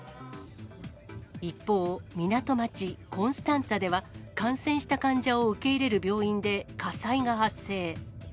一方、港町、コンスタンツァでは、感染した患者を受け入れる病院で火災が発生。